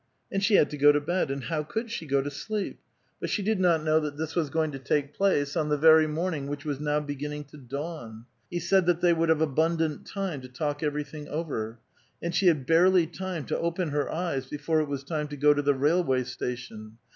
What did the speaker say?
" And she had to go to bed ; and how could she go to sleep? But she did not know that this was going to take place on the very morning which was now be ginning to dawn. He said that they would have abundant time to talk everything over. And she had barely time to open her eyes before it was time to go to the railwa\ station.